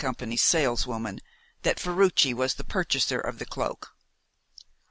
's saleswoman that Ferruci was the purchaser of the cloak.